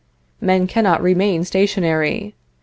Men cannot remain stationary.